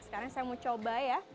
sekarang saya mau coba ya